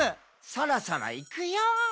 「そろそろいくよー」